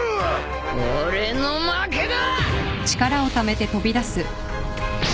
俺の負けだ！